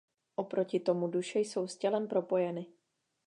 Oproti tomu duše jsou s tělem propojeny.